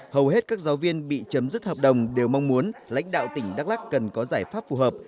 hầu hết các giáo viên bị chấm dứt hợp đồng đều mong muốn lãnh đạo tỉnh đắk lắc cần có giải pháp phù hợp